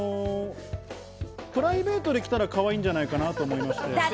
プライベートで着たら、かわいいんじゃないかなと思いまして。